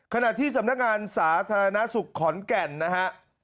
ขณะที่สำนักงานสาธารณสุขขอนแก่นนะฮะ